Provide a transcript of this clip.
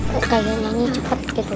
kayaknya nyanyi cepet gitu